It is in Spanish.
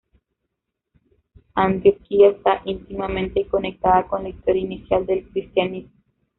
Antioquía está íntimamente conectada con la historia inicial del cristianismo.